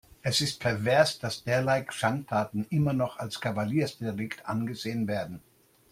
Es ist pervers, dass derlei Schandtaten immer noch als Kavaliersdelikt angesehen werden.